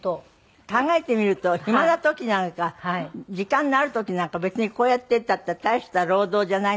考えてみると暇な時なんか時間のある時なんか別にこうやっていたって大した労働じゃないんだからこれをやっちゃえばね。